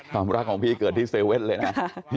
ความรักของพี่เกิดที่๗๑๑เลยนะ